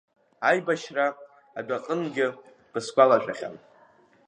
Аибашьра адәаҟынгьы бысгәалашәахьан…